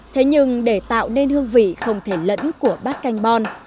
thế nhưng để tạo nên hương vị không thể lẫn của bát canh bon